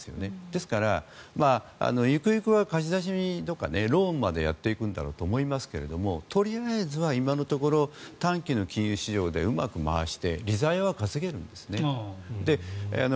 ですから、ゆくゆくは貸し出しにローンまでやっていくんだろうと思いますけどとりあえずは今のところ短期の金融市場でうまく回して利ざやは稼げるんですね。